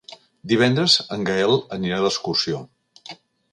Divendres en Gaël anirà d'excursió.